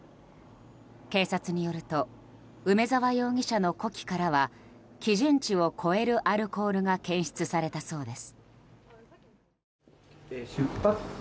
警察によると梅沢容疑者の呼気からは基準値を超えるアルコールが検出されたそうです。